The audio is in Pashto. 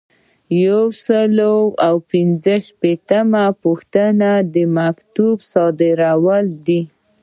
یو سل او شپیتمه پوښتنه د مکتوب صادرول دي.